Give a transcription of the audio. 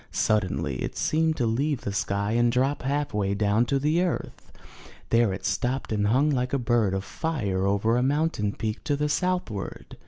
Suddenly it seemed to leave the sky and drop half way down to the earth. There it stopped and hung like a bird of fire over a mountain peak to the southward.